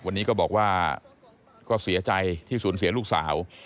วันนี้ก็บอกว่าก็เสียใจที่สูญเสียลูกสาว